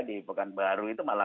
di pekanbaru itu malah ada ya